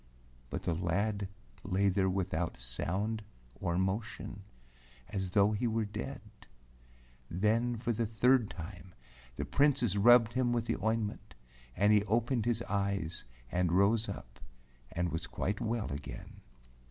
But the lad lay there without sound or motion, as though he were dead. Then for the third time the Princess rubbed him with the ointment, 188 A TRANSYLVANIAN GIPSY TALE and he opened his eyes and rose up and was quite well again.